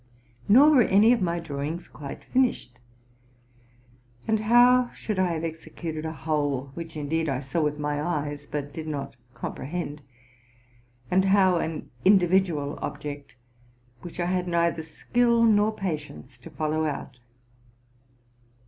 Nor were any of my drawings quite finished ; and how should I have executed a whole, which indeed I saw with my eyes, but did not comprehend, and how an individual object, which I had neither skill nor patience to follow out?